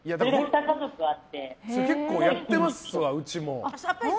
結構やってますわ、うちも。